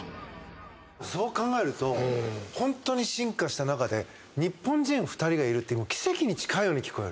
そう考えるとホントに進化した中で日本人２人がいるって奇跡に近いように聞こえる。